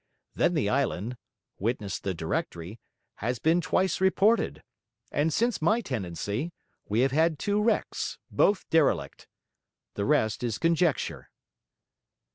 Then the island (witness the Directory) has been twice reported; and since my tenancy, we have had two wrecks, both derelict. The rest is conjecture.'